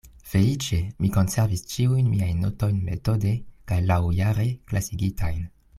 Feliĉe mi konservis ĉiujn miajn notojn metode kaj laŭjare klasigitajn.